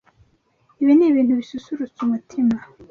Ibi ni ibintu bisusurutsa umutima.